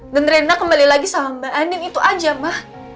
dan rena kembali lagi sama mbak andin itu aja ma